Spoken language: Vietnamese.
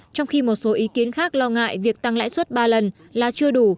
trong khi một số ý kiến khác lo ngại việc tăng lãi suất ba lần là chưa đủ